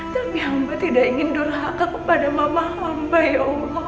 tapi hamba tidak ingin durhaka kepada mama hamba ya allah